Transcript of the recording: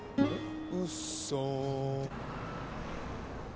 うっそ。